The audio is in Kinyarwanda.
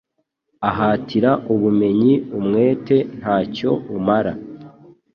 Ahatari ubumenyi umwete nta cyo umara